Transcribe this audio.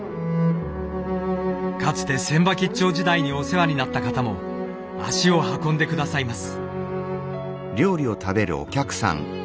かつて船場兆時代にお世話になった方も足を運んで下さいます。